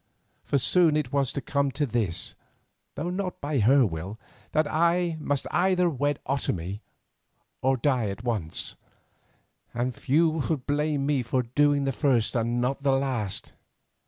For soon it was to come to this, though not by her will, that I must either wed Otomie or die at once, and few would blame me for doing the first and not the last.